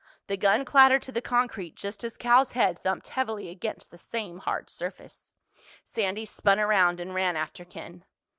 The gun clattered to the concrete just as Cal's head thumped heavily against the same hard surface. Sandy spun around and ran after Ken.